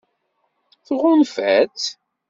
Tɣunfa-tt?